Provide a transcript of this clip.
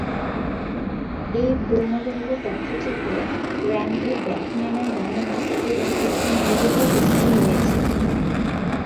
এই পূর্ণদৈর্ঘ্য তথ্যচিত্রে র্যান্ডি বাখম্যানের বর্ণনা এবং একটি মিউজিক্যাল স্কোর রয়েছে।